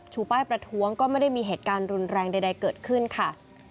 ป้ายประท้วงก็ไม่ได้มีเหตุการณ์รุนแรงใดเกิดขึ้นค่ะ